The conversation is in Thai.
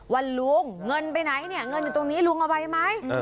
ว่าลูกเงินไปไหนเงินอยู่ตรงนี้ลูกเอาไว้ไหม